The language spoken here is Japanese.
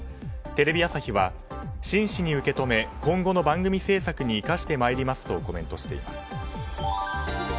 テレビ朝日は、真摯に受け止め今後の番組制作に生かしてまいりますとコメントしています。